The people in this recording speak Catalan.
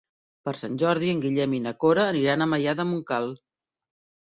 Per Sant Jordi en Guillem i na Cora aniran a Maià de Montcal.